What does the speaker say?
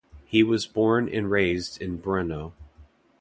He was born and raised in Brno.